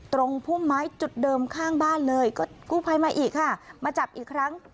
พุ่มไม้จุดเดิมข้างบ้านเลยก็กู้ภัยมาอีกค่ะมาจับอีกครั้ง